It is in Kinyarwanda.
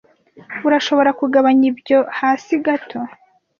Urashobora kugabanya ibyo hasi gato?